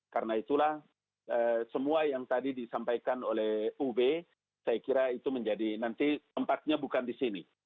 karena itulah semua yang tadi disampaikan oleh ub saya kira itu menjadi nanti tempatnya bukan di sini